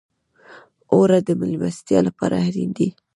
اوړه د میلمستیا لپاره اړین دي